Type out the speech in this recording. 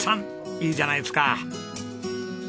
いいじゃないですか。